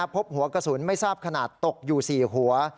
พบหัวกระสุนไม่ทราบขนาดตกอยู่๔หัว